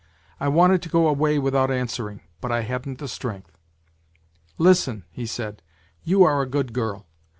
I wanted to go away without answering, but I hadn't the strength. '' Listen,' he said, ' you are a good girl.